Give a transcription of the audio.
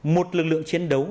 một lực lượng chiến đấu